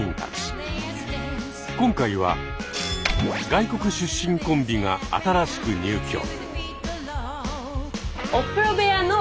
今回は外国出身コンビが新しく入居。